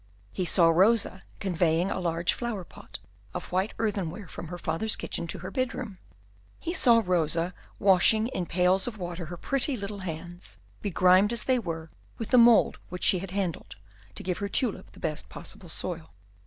He saw Rosa conveying a large flower pot of white earthenware from her father's kitchen to her bedroom. He saw Rosa washing in pails of water her pretty little hands, begrimed as they were with the mould which she had handled, to give her tulip the best soil possible.